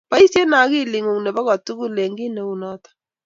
Boisie akilingung nebo koi tugul eng kit ne unoto